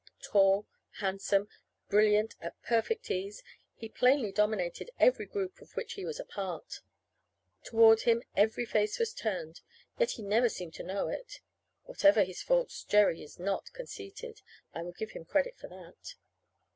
Tall, handsome, brilliant, at perfect ease, he plainly dominated every group of which he was a part. Toward him every face was turned yet he never seemed to know it. (Whatever his faults, Jerry is not conceited. I will give him credit for that!)